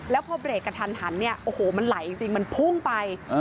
แล้วพอเบรกกระทันหันเนี่ยโอ้โหมันไหลจริงมันพุ่งไป